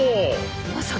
まさか！